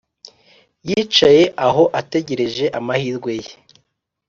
yicaye aho ategereje amahirwe ye.